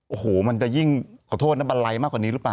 โอ้โหมันจะยิ่งขอโทษนะบันไลมากกว่านี้หรือเปล่า